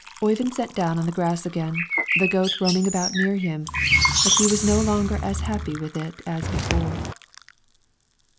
Oyvind sat down on the grass again, the goat roaming about near him; but he was no longer as happy with it as before.